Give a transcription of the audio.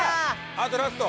あとラスト！